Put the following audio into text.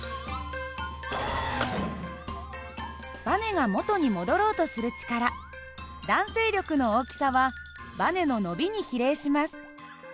ばねが元に戻ろうとする力弾性力の大きさはばねの伸びに比例します。